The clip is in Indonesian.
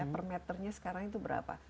per meternya sekarang itu berapa